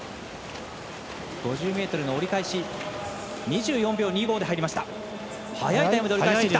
５０ｍ折り返し２４秒２５で入りました。